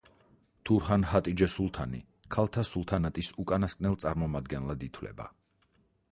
თურჰან ჰატიჯე სულთანი ქალთა სულთანატის უკანასკნელ წარმომადგენელად ითვლება.